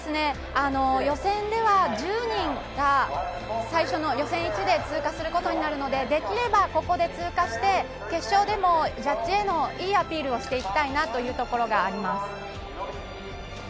予選では１０人が最初の予選１で通過することになるのでできれば、ここで通過して決勝でもジャッジへのいいアピールをしていきたいなというところがあります。